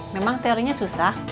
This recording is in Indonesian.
memang teorinya susah